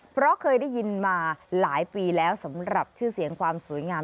เพราะเคยได้ยินมาหลายปีแล้วสำหรับชื่อเสียงความสวยงาม